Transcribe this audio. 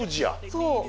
そう。